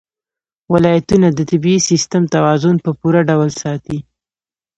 ولایتونه د طبعي سیسټم توازن په پوره ډول ساتي.